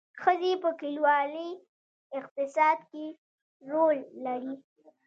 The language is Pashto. ښځې په کلیوالي اقتصاد کې رول لري